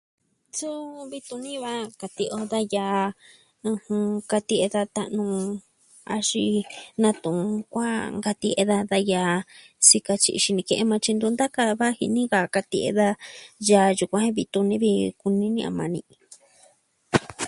Suu, vii tuni va, katie'e o da yaa. ɨjɨn, Katie'e da ta'nu. Axin, natu'un kuvi a nkatie'e daja da yaa. Sikatyi'i xini jie'e maa tyi ntu ntaka va jini ka katie'e da yaa yukuan jen vii tuni vi. Kuni ni a maa ni.